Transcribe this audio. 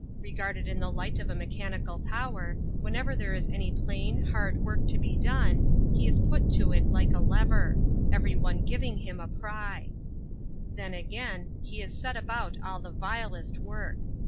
Regarded in the light of a mechanical power, whenever there is any plain, hard work to be done, he is put to it like a lever ; every one giving him a pry. Then, again, he is set about all the vilest work.